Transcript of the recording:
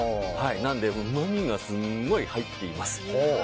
なのでうまみがすごく入っています。